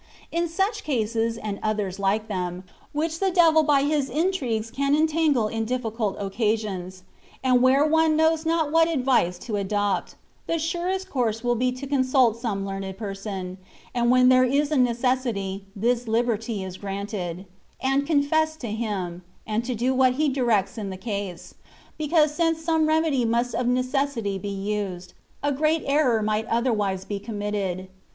In such cases, and others like them, which the devil by his intrigues can entangle in difficult occasions, and where one knows not what advice to adopt, the surest course will be to consult some learned person (and when there is a necessity, this liberty is granted), and to confess to him, and to do what he directs in the case ; because since some remedy must of necessity be used, a great error might otherwise be committed.